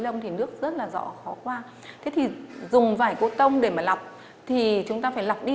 lông thì nước rất là rõ khó qua thế thì dùng vải cốtông để mà lọc thì chúng ta phải lọc đi